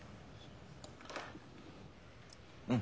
うん。